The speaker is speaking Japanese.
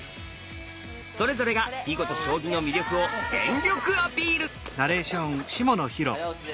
それぞれが囲碁と将棋の魅力を全力アピール！